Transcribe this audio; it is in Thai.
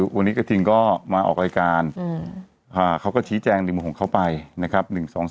วันนี้กระทิงก็มาออกรายการเขาก็ชี้แจงในมุมของเขาไปนะครับ